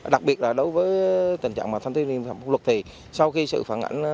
đặc biệt là đối với tình trạng mà thông tin liên quan đến bộ luật thì sau khi sự phản ảnh